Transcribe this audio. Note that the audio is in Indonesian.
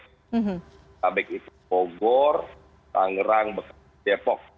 botabek itu bogor tangerang depok